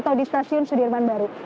atau di stasiun sudirman baru